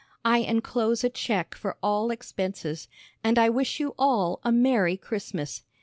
I enclose a check for all expenses. And I wish you all a Merry Christmas.